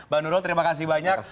bang nurul terima kasih banyak